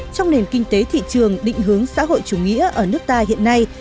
trong nền kinh tế thị trường định hướng xã hội chủ nghĩa ở nước ta hiện nay